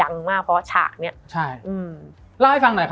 มันทำให้ชีวิตผู้มันไปไม่รอด